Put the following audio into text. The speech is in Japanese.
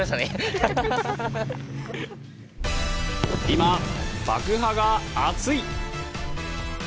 今、爆破が熱い！